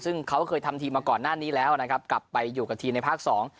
ซึ่งเขาเคยทำทีมมาก่อนหน้านี้แล้วนะครับกลับไปอยู่กับทีมในภาคสอง